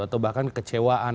atau bahkan kecewaan